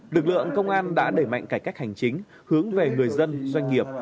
lực lượng công an đã đẩy mạnh cải cách hành chính hướng về người dân doanh nghiệp